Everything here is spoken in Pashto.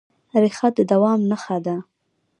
ریښه د دوام نښه ده.